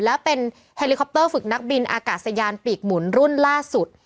และเป็นเฮลิคอปเตอร์ฝึกนักบินอากาศยานปีกหมุนรุ่นล่าสุด